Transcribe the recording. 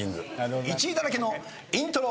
１位だらけのイントロ。